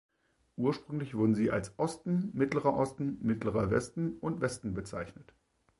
Ursprünglich wurden sie als Osten, Mittlerer Osten, Mittlerer Westen und Westen bezeichnet.